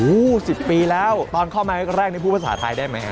โอ้โห๑๐ปีแล้วตอนเข้ามาแรกนี่พูดภาษาไทยได้ไหมฮะ